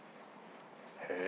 へえ。